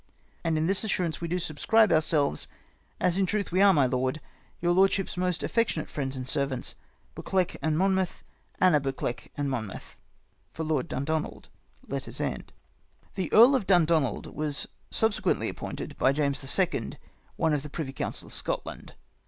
And in this assurance we do subscribe ourselves, as in truth we are, my lord, " Your lordship's most affectionate friends and servants, " BuccLEucH and Monmouth. "Anna Bcccleuch and Monmouth. " For Lord Dundonald." The Earl of Dundoiiald was subsequently appointed by James tlie Second one of the Privy Council of Scotland.